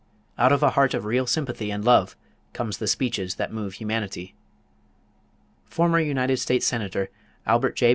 Out of a heart of real sympathy and love come the speeches that move humanity. Former United States Senator Albert J.